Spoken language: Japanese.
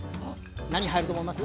何入ると思います？